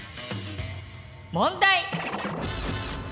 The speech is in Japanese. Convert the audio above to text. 問題！